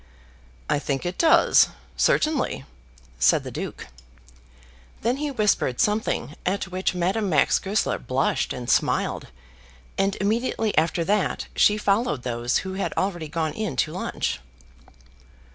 "I think it does, certainly," said the Duke. Then he whispered something at which Madame Max Goesler blushed and smiled, and immediately after that she followed those who had already gone in to lunch.